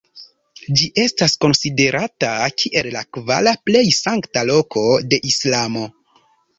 Ĝi estas konsiderata kiel la kvara plej sankta loko de Islamo.